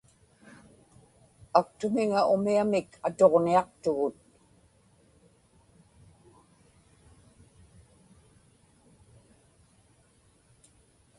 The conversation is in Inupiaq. aktumiŋa umiamik atuġñiaqtugut